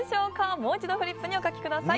もう一度フリップにお書きください。